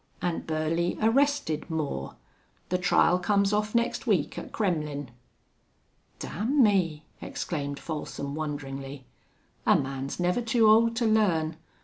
An' Burley arrested Moore. The trial comes off next week at Kremmlin'." "Damn me!" exclaimed Folsom, wonderingly. "A man's never too old to learn!